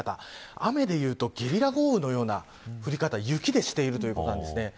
雨でいうとゲリラ豪雨のような降り方雪でしているということなんです。